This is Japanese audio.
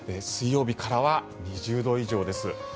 水曜日からは２０度以上です。